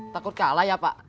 takut kalah ya pak